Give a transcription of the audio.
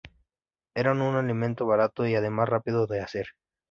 Era un alimento barato y además rápido de hacer.